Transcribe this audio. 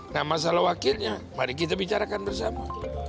nah masalah wakilnya mari kita bicarakan bersama